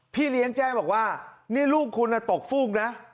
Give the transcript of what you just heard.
พี่เลี้ยงแจ้งบอกว่านี่ลูกคุณตกฟูกนะ